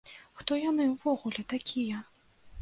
Хто яны ўвогуле такія?